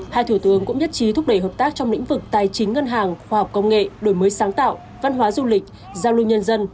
hai thủ tướng cũng nhất trí thúc đẩy hợp tác trong lĩnh vực tài chính ngân hàng khoa học công nghệ đổi mới sáng tạo văn hóa du lịch giao lưu nhân dân